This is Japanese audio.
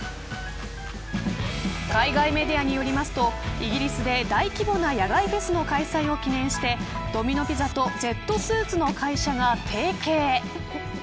海外メディアによりますとイギリスで大規模な野外フェスの開催を記念してドミノ・ピザとジェットスーツの会社が提携。